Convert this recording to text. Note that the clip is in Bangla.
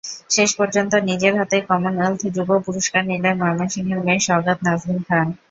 শেষ পর্যন্ত নিজের হাতেই কমনওয়েলথ যুব পুরস্কার নিলেন ময়মনসিংহের মেয়ে সওগাত নাজবিন খান।